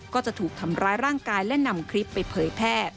ก็จะถูกทำร้ายร่างกายและนำคลิปไปเผยแพร่